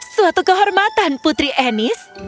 suatu kehormatan putri anis